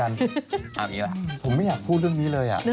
เอาอย่างนี้แหละผมไม่อยากพูดเรื่องนี้เลย